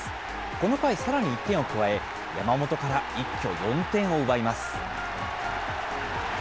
この回、さらに１点を加え、山本から一挙４点を奪います。